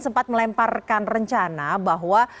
sempat melemparkan rencana bahwa